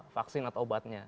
vaksin atau obatnya